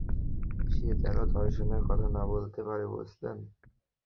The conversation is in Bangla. সে যেন ধর্ষণের কথা না বলতে পারে, বুঝেছেন?